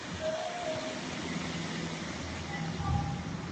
山西乌头为毛茛科乌头属下的一个种。